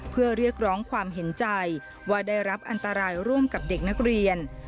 เพื่อเรียกร้องความเห็นใจว่าได้รับอันตรายร่วมกับเด็กนักเรียน